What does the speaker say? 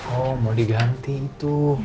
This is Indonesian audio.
oh mau diganti itu